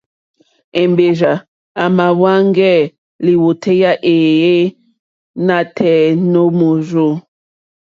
Èmbèrzà èmàáhwɛ́ŋgɛ́ lìwòtéyá éèyé nǎtɛ̀ɛ̀ nǒ mòrzô.